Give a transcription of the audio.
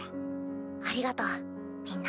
ありがとみんな。